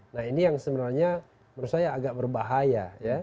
nah ini yang sebenarnya menurut saya agak berbahaya